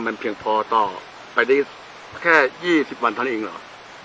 มันเพียงพอต่อไปได้แค่๒๐วันเท่านั้นเองเหรอ